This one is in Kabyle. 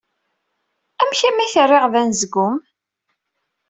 Amek armi t-rriɣ d anezgum?